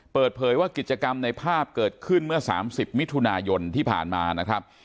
เปิดเผยว่ากิจกรรมในภาพเกิดขึ้นเมื่อ๓๐มิถุนายนที่ผ่านมานะครับ